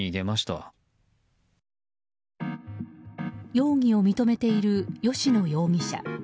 容疑を認めている吉野容疑者。